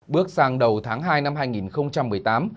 bước sang đầu tháng hai năm hai nghìn một mươi tám